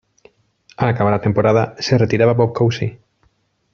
Al acabar la temporada, se retiraba Bob Cousy.